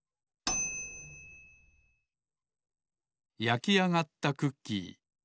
やきあがったクッキー